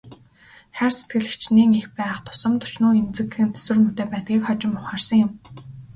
Хайр сэтгэл хэчнээн их байх тусам төчнөөн эмзэгхэн, тэсвэр муутай байдгийг хожим ухаарсан юм.